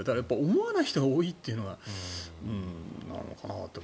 思わない人が多いっていうのはなんなのかなって。